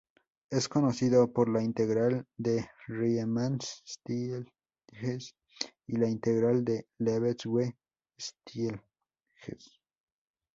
Es conocido por la integral de Riemann-Stieltjes y la integral de Lebesgue-Stieltjes.